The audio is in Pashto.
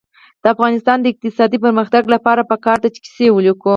د افغانستان د اقتصادي پرمختګ لپاره پکار ده چې کیسې ولیکو.